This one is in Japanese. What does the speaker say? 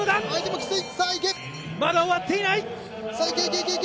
まだ終わっていない。